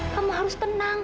kamu harus tenang